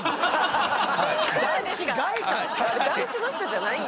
団地の人じゃないんや。